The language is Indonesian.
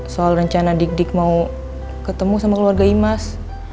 soal rencana dik dik mau ketemu sama keluarga imas